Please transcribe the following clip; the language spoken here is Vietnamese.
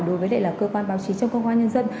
đối với cơ quan báo chí trong công an nhân dân